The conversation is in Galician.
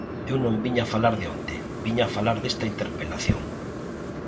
Eu non viña falar de onte, viña falar desta interpelación.